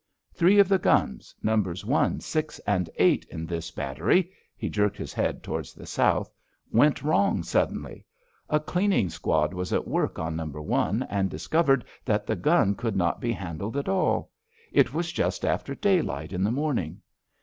Three of the guns, numbers one, six and eight, in this battery"—he jerked his head towards the south—"went wrong suddenly. A cleaning squad was at work on number one, and discovered that the gun could not be handled at all. It was just after daylight in the morning.